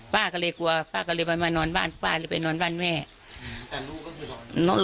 ป้าก็เลยกลัวป้าก็เลยไปมานอนบ้านป้าหรือไปนอนบ้านแม่แต่ลูกก็คือนอน